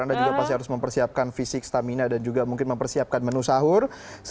anda juga pasti harus mempersiapkan fisik stamina dan juga mungkin mempersiapkan menu sahur